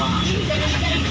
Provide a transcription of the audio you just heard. jadi jadi jadi jadi